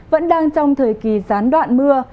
vẫn đang trong thời kỳ gián đoạn mưa